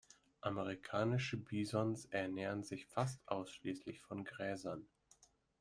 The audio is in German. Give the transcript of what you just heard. Amerikanische Bisons ernähren sich fast ausschließlich von Gräsern.